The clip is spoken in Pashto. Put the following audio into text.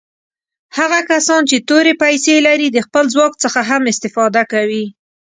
هغه کسان چې تورې پیسي لري د خپل ځواک څخه هم استفاده کوي.